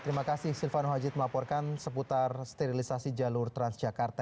terima kasih silvano haji melaporkan seputar sterilisasi jalur transjakarta